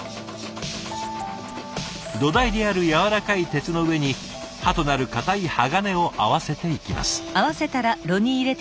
土台であるやわらかい鉄の上に刃となる硬い鋼を合わせていきます。